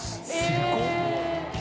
すごっ